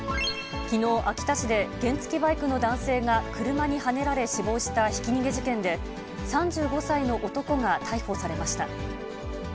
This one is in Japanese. きのう、秋田市で原付バイクの男性が、車にはねられ死亡したひき逃げ事件で、３５歳の男が逮捕されました。